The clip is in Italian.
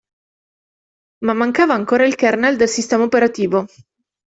Ma mancava ancora il kernel del sistema operativo.